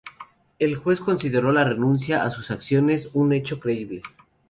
El Juez consideró la renuncia a sus acciones, un hecho creíble.